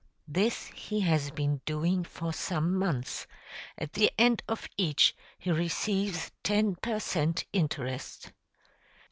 This he has been doing for some months; at the end of each he receives ten per cent. interest.